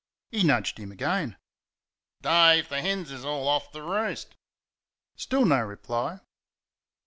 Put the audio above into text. He nudged him again. "Dave, the hens is all off the roost!" Still no reply.